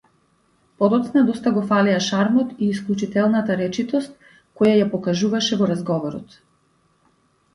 Подоцна доста го фалеа шармот и исклучителната речитост која ја покажуваше во разговорот.